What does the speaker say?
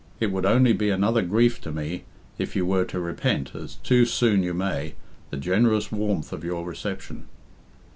It would only be another grief to me if you were to repent, as too soon you may, the generous warmth of your reception."